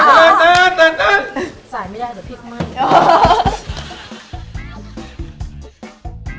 ใส่ไม่ได้ตรงนั้นพริกมั้ย